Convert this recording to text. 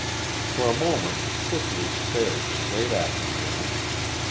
For a moment Cicely stared straight at the man.